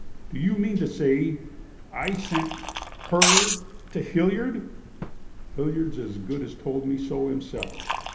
"Do you mean to say I sent her to Hilliard?" "Hilliard as good as told me so himself.